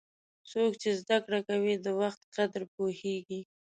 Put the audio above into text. څوک چې زده کړه کوي، د وخت قدر پوهیږي.